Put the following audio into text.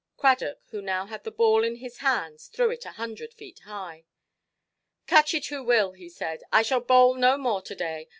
Cradock, who now had the ball in his hands, threw it a hundred feet high. "Catch it who will", he said; "I shall bowl no more to–day.